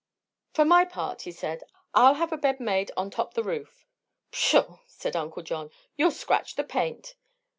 "For my part," he said, "I'll have a bed made on top the roof." "Pshaw!" said Uncle John; "you'll scratch the paint."